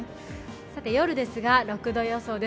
夜ですが、６度予想です。